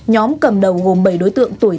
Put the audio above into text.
nhóm cầm đầu gồm bảy đối tượng tuổi